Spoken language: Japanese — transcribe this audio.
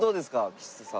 吉瀬さん。